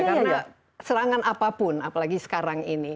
karena serangan apapun apalagi sekarang ini